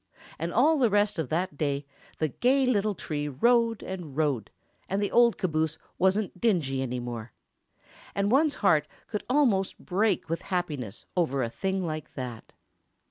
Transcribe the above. And all the rest of that day, the gay little tree rode and rode, and the old caboose wasn't dingy any more, and one's heart could almost break with happiness over a thing like that.